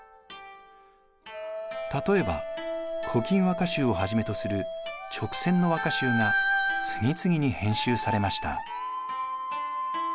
例えば「古今和歌集」をはじめとする勅撰の和歌集が次々に編集されました。